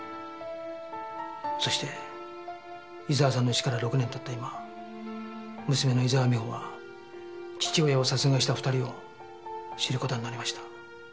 そして伊沢さんの死から６年経った今娘の伊沢美穂は父親を殺害した２人を知る事になりました。